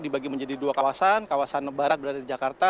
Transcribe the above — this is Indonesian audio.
dibagi menjadi dua kawasan kawasan barat berada di jakarta